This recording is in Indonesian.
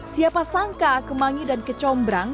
siapa sangka kemangi dan kecombrang